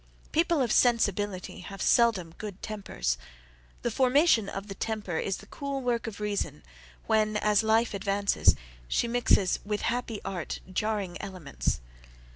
People of sensibility have seldom good tempers. The formation of the temper is the cool work of reason, when, as life advances, she mixes with happy art, jarring elements.